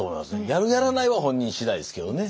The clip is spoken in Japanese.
やるやらないは本人次第ですけどね。